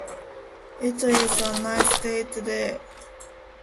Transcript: It is a nice day today.